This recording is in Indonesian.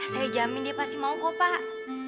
saya jamin dia pasti mau kok pak